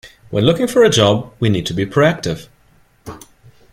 When looking for a job we need to be proactive.